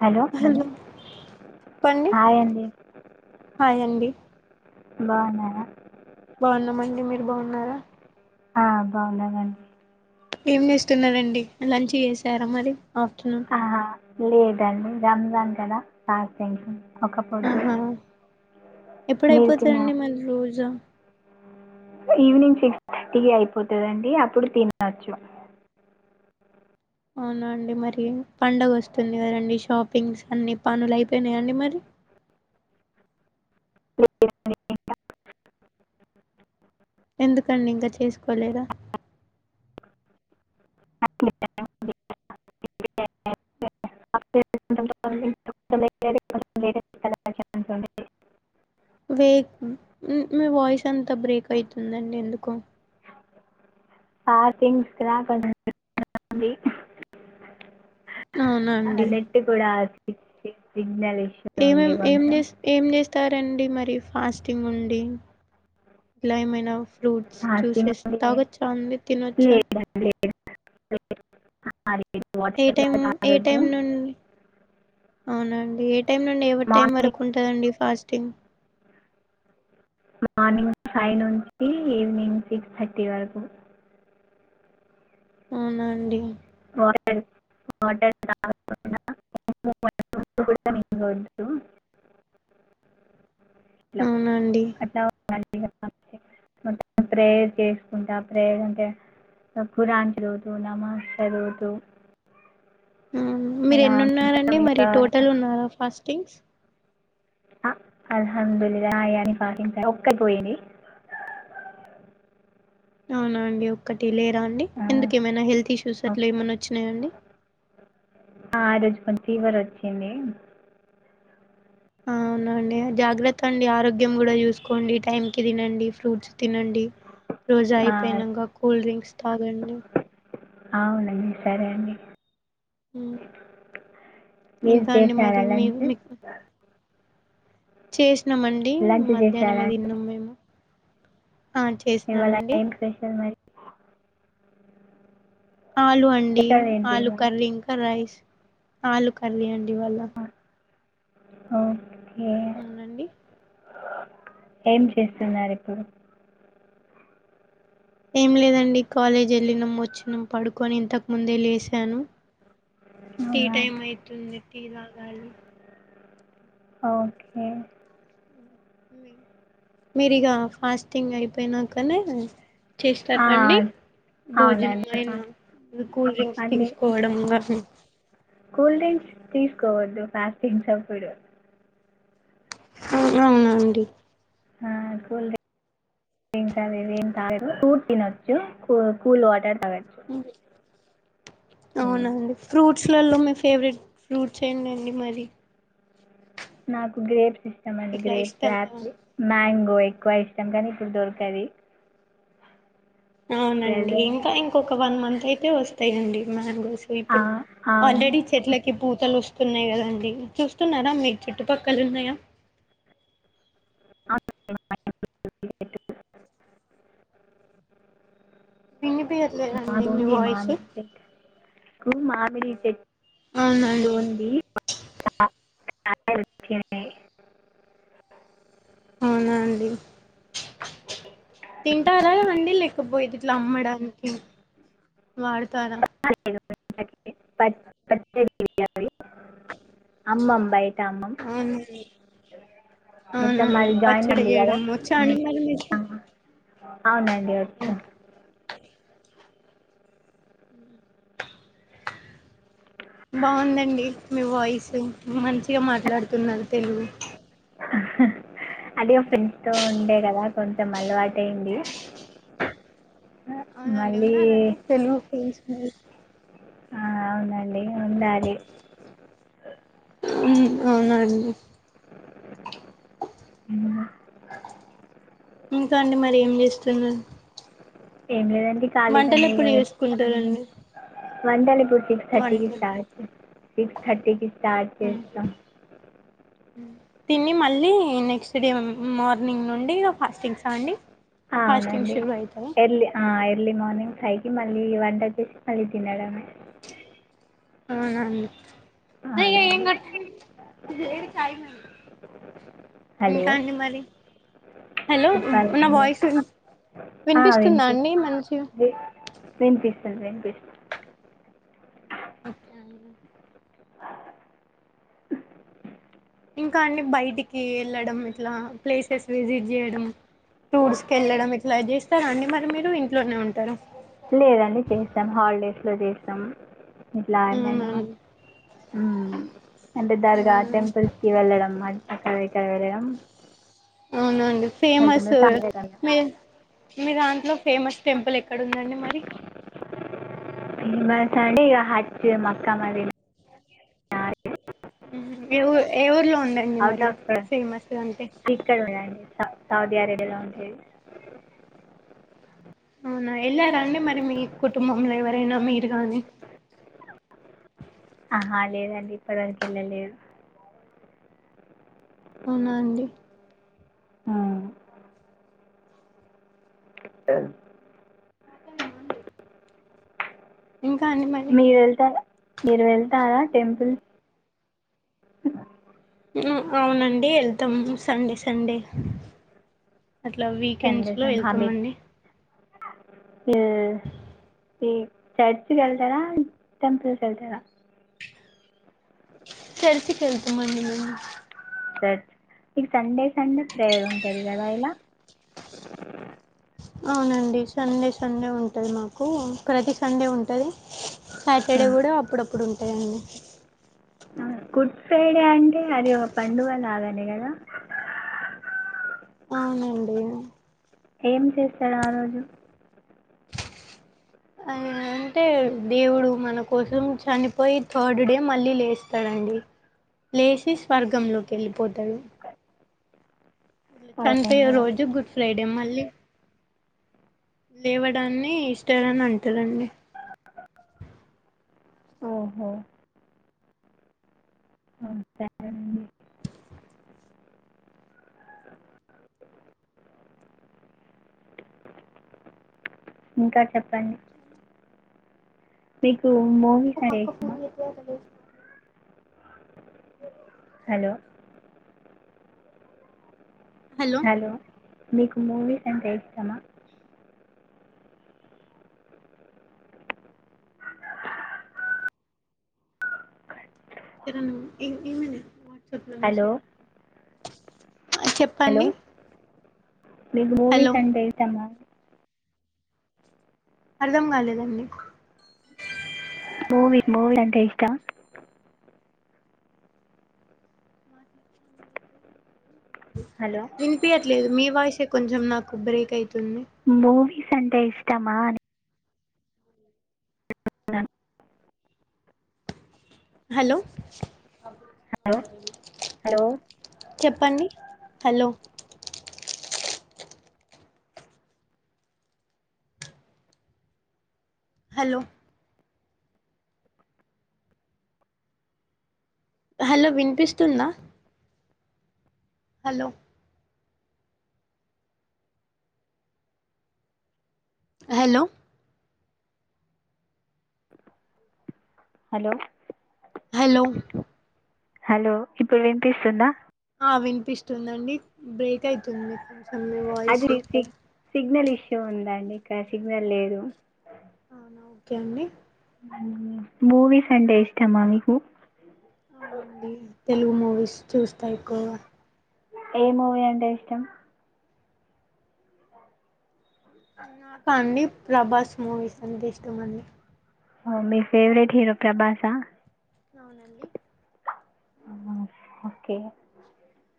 Hello చెప్పండి hi అండి. Hi అండి బావున్నారా బావున్నామండి మీరు బావుంన్నారా ఆ బాగున్నామండీ. ఏం చేస్తున్నరాండి లంచ్ చేసారా మరి ఆఫ్టర్నూన్ ఆహా, లేదండి రంజాన్ కదా ఆఫ్ డేనే హ్మ్ ఆహా మీరు తిన్న ఎప్పుడయిపోతారండి మళ్లీ రోజు ఈవినింగ్ సిక్స్ థర్టీకి అయిపోతాదండి అప్పుడు తినచ్చు అవునా అండి మరి పండగ వస్తుంది కదండి షాపింగ్స్ అన్ని పనులు అయిపోయినాయిండి మరి [unintelligible] ఎందుకండి ఇంకా చేసుకోలేద [unintelligible] వేక్ మీ వాయిస్ అంతా బ్రేక్ అవుతుందండి ఎందుకో [unintelligible] ఆ అవునా అండి నెట్ కూడా ఆ [unintelligible] ఏం ఏం ఏంచే ఏంచేస్ వతారండి మరి ఫాస్టింగ్ ఉండి ఇలా ఏమైనా ఫ్రూట్స్ ఫాస్టింగ్ జ్యూసెస్ ఉంది తాగచ్చా అండి తినవచ్చా [unintelligible] ఏ వాటర్ టైం కూడా ఏ తాగద్దు టైం నుండి అవునండి ఏ టైం నుండి ఏ టైం వరకు మార్నింగ్ ఉంటుందండి ఫాస్టింగ్ మార్నింగ్ ఫైవ్ నుంచి ఈవినింగ్ సిక్స్ థర్టీ వరకు అవునాండి వాటర్ వాటర్ తాగకూడదు [unintelligible] ఏం తినకూడదు అవునండి అలా ఉండాలి మొత్తం మొత్తం ప్రేయర్ చేసుకుంటా ప్రేయర్ అంటే ఖురాన్ చదువుతు నమాజ్ ఎదుగుతు మీరు ఎన్ని ఉన్నారండి ఇక మరి టోటల్ ఉన్నారా ఫాస్టింగ్స్ అలహందుల్ అయాని పాటించాలి అవునండి ఒక్కటి లే అండి ఆ, ఎందుక ఏమైనా హెల్త్ ఇష్యూస్ అట్లా ఏమన్నా వచ్చినాయండీ ఆ రోజు కొంత ఫీవర్ వచ్చింది అవునండి జాగ్రత్త అండి ఆరోగ్యం కూడా చూసుకోండి టైం కి తినండి ఫ్రూట్స్ తినండి రోజా ఆ, అయిపోయినాక కూల్ డ్రింక్స్ తాగండి అవునండి సరే అండి ఉమ్, మీరు ఇంకా అండి చేశార మరి మీ లంచ్ చేస్ తీన్నామండి లంచ్ మధ్యాహ్నం చేశారా మే తిన్నాము మేము ఆ ఇవాళ చేసినానండి ఏం స్పెషల్ మరి ఆలు అండి స్పెషల్ ఏంటి ఆలు ఇవాళ కర్రీ ఇంకా రైస్ ఆలు కర్రి అండి ఇవ్వాళ ఓక్ అవునండి ఏం చేస్తున్నారు ఇప్పుడు ఏం లేదండి కాలేజ్ వెళ్లినం వచ్చినాం పడుకొని ఇంతకు ముందే లేసాను టీ అవునా టైమ్ అయితుంది టీ తాగాలి ఓకే మీరీగా ఫాస్టింగ్ అయిపేనాకనే ఆ, చేస్తారాండి అవునండి భోజనమైన ఫా- కూల్ డ్రింక్స్ అన్ని తీసుకోవడం గసం కూల్ డ్రింక్స్ తీసుకోవోద్దు ఫ్యాస్టింగ్స్ అప్పుడు అవునా అండి ఆహ్ కూల్ డ్రింక్స్ అనేవి ఏం తగొద్దు ఆ ఫూట్స్ తినొచ్చు కూ కూల్ వాటర్ తాగొచ్చు మ్మ్. అవునండి ఫ్రూట్స్ లల్లో మీ ఫేవరెట్ ఫ్రూట్స్ ఏంటండి మరి నాకు గ్రేప్స్ ఇష్ ష్టం అండి ఇట్లా గ్రేప్స్ ఇష్టంగా యాపిల్ మ్యాంగ్ ఎక్కువ ఇష్టం గనీ ఇప్పుడు దొరకది అవునండి ప్రెసెంట్ ఇంకా ఇంకొక వన్ మంత్ అయి అయితే వస్తాయండి మ్యాంగో ఆ, ఇప్పుడు అవును ఆల్రెడీ చెట్లకి పూతలు వస్ తున్నాయి కదండి చూస్తున్నారా మీకు చుట్టుపక్కల ఉన్నాయా [unintelligible] ఇనీపియాట్లేదండీ మాకు మీ ఉంది వాయిసు మామిడి చెట్టు మామిడి చే ట్టు ఉంది [unintelligible] అవునా అండి తింటారా అవి అండి లేకపోతే ఇట్లా అమ్మడానికి వాడతార [unintelligible] బయట అమ్మం అవునండి మొత్తం అవునండి మాది జాయింట్ పచ్చడి ఫ్యామిలీ చేయడం వచ్చా అండి మరి మీకు అవునం డి ఒచ్చు అ బాగుందండి మీ వాయిస్ మంచిగా మాట్లాడుతున్నారు తెలుగు అద ఓ ఫ్రెండ్స్ తో ఉండే కదా కొంచెం అలవాటయింది అవునండి ఉన్నారాండి తెలుగు ఫ్రెండ్స్ మీ ఆ అవునండి ఎ ఉండాలి స ఉ అవునా అండి అ ఇంకా అండి మరి ఏం చేస్తున్నారు ఏం లేదండి మంటలు ఖాళీగానే ఎప్పుడు చేసుకుంటారండి వండని కి సిక్స్ థర్టీకి వంటలు స్టార్ట్ సిక్స్ థర్టీకి స్టార్ట్ చేస్తాం తిని మళ్ళీ నెక్స్ట్ డే మార్నింగ్ నుండి ఫాస్టింగ్స్ అ అండి ఫాస్టింగ్ అవునండి షురూ అవుతాయి ఎర్లి ఆ ఎల్ ఎర్లీ మార్నింగ్ హైకి మళ్ళీ వంట వచ్చేసి మళ్ళీ తినడం ఆ గమ్ అయ్యయో ఏం అవునండి కట్టడి హలో ఇంకా అండి మరి హలో నా చెప్పాలండి వాయిస్ ఆ, వినిపిస్తుందా వినిపి అండి మంచి సరే అండి ఓకే అయిను అ ఇంకా అన్ని బయటికి వెళ్ళడం ఇట్లా ప్లేసెస్ విజిట్ చేయడం టూర్స్కిళ్డం ఇట్లా అజేష్ట వస్తార అండి మరి మీరు ఇంట్లోనే ఉంటారా ప్రదేశం ఇట్లాయ మయినా అవునండి అ అంటే దర్గా టెంపుల్స్ కి వెళ్ళడంమా అక్కర ఇక్కర విరయం అవునండి ఫేమస్ మీ మీ దాంట్లో ఫేమస్ టెంపుల్ ఎక్కడ ఉందండి మరి ప్రిమ్ మాస అండి ఇక హచ్చ్ మక్కా మదీనా మిర ఊర్ ఎ ఊర్లో అండి అండి అవుట్ మరియు ఆఫ్ ఫేమస్ అంతే ఇక్కడ ఉందండి సౌ సౌదీ అరేబియాలో ఉంటేది అవునా వెళ్ళారాండి మరి మీ కుటుంబంలో ఎవరైనా మీరు గానీ ఆహా లేదండి ఇప్పటి వరకు వెళ్ళలేదు అవునా అండి ఆ ఆ అన్ఇన్ టెలిజిబుల్ మీరు వెళ్తారా మీరు వెళ్తారా టెంపుల్ మ్ అ అవునండి ఎళ్తాం సండే సండే అట్లా సండే వీకెండ్స్లో సండే హాల్డే వెళ్తామండి ఉ ఇ చర్చ్ కెళ్తారా టెంపుల్కెళ్తారా? చర్చికెళ్తామండి మేము షట్ ఇ సండే సండే ప్రేయరుంటది కదా ఇలా అవునండి. సండే సండే ఉంటది మాకు ప్రతి సండే ఉంటది. సాటర్డే మ్మ్. కూడ అప్పుడప్పుడు ఉంటాయండి. గుడ్ ఫ్రైడే అంటె అది ఒగ పండుగ లాగానే గదా! అవునండి ఏం చేస్తారు ఆ రోజు? ఆ అంటే దేవుడు మన కోసం చనిపోయి థర్డ్ డే మళ్ళీ లేస్తాడండి లేచి స్వర్గంలోకెళ్ళిపోతాడు. ఇట్ల చనిపోయే ఓహో రోజు గుడ్ ఫ్రైడే మళ్ళీ లేవడాన్ని ఈస్టర్ అని అంటారండి. ఓహో ఓకె అండి. ఇంకా చెప్పండి మీకు మూవీస్ అంటే ఒకక్క ఇష్టమా ఫోన్ చెత్తే అతడేసినాడు. హలో హలో మీకు మూవీస్ అంటే ఇష్టమా? చరను ఏం ఏమన వాట్ హలో చట్లమిషియా హలో మీకు హలో మూవీస్ అంటే ఇష్టమా? అర్ధం కాలేదండి మూవి మూవి అంటే ఇష్ట హలో వినిపియట్లేదు మీ వాయిస్ ఎ కొంచెం నాకు బ్రేక్ అయి మూవీ స్ అంటే ఇష్టమా అని [unintelligible] హలో అప్పుడొచ్చినాగనీ హలో మరీ హలో చెప్పండి హలో హలో హలో వినిపిస్తుందా hello hello hello hello hello ఇప్పుడు వినిపిస్తుందా ఆ వినిపిస్తోంది అండి బ్రేక్ అయితుంది కొంచెం మి అది వాయిసు సిగ్- సిగ్నల్ ఇష్యూ ఉంది అండి ఇక్కడ సిగ్నల్ లేదు అవునా ఓకే అండి మూవీస్ అంటే ఇష్టమా మీకు అవునండి తెలుగు మూవీస్ చూస్తా ఎక్కువగా ఏ మూవీ అంటే ఇష్టం నాకా అండి ప్రభాస్ మూవీస్ అంటే ఇష్టం అండి ఓ మీ ఫేవరెట్ హీరో ప్రభాసా అవునండి ఓకే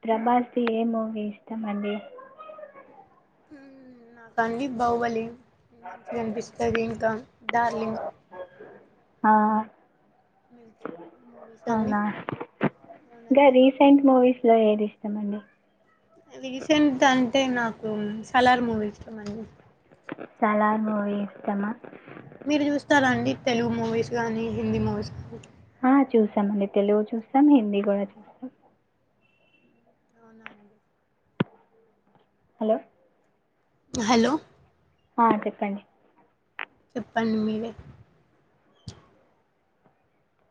ప్రభాస్ ది ఏ మూవీ ఇష్టం అండి ఆ నాకా అండి బాహుబలి మంచిగా అనిపిస్తుంది ఇంకా డార్లింగ్ ఆ మూవీస్ అన్ని అవునా ఇంగా అవునండి రీసెంట్ మూవీస్ ఇంగా ఏది ఇష్టం అండి రీసెంట్ అం అంటే నాకు సలార్ మూవీ ఇష్టం అండి సాలార్ మూవీ ఇష్టమా మీరు చూస్తారండి తెలుగు మూవీస్ కానీ హిందీ మూవీస్ ఆ చూస్తాం అండి తెలుగు చూస్తాం హిందీ కూడా చూస్తాం అవునా అండి హలో హలో హా చెప్పండి చెప్పండి మీరే